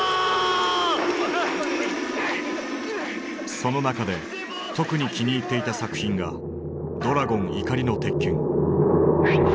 その中で特に気に入っていた作品が「ドラゴン怒りの鉄拳」。